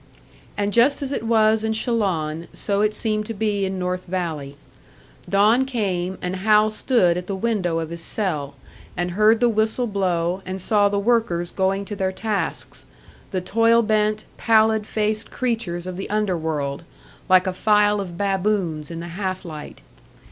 And just as it was in Chillon, so it seemed to be in North Valley. Dawn came, and Hal stood at the window of his cell, and heard the whistle blow and saw the workers going to their tasks, the toil bent, pallid faced creatures of the underworld, like a file of baboons in the half light.